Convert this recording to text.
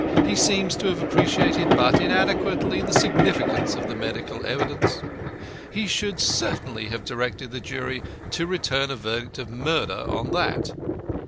He seems to have appreciated but inadequately the significance of the medical evidence. He should certainly have directed the jury to return a verdict of murder on that.